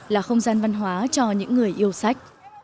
là không gian văn hóa cho những người yêu sách